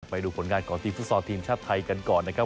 ไปดูผลงานของทีมฟุตซอลทีมชาติไทยกันก่อนนะครับ